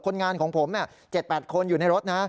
คนงานของผม๗๘คนอยู่ในรถนะ